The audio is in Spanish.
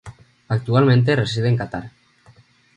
Actualmente reside en Catar.